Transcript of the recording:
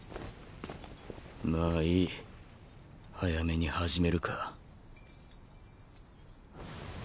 まあいい早めに始めるか。